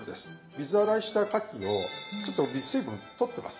水洗いしたかきをちょっと水分取ってます。